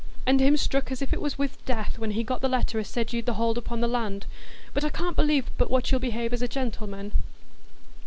And him struck as if it was with death when he got the letter as said you'd the hold upo' the land. But I can't believe but what you'll behave as a gentleman."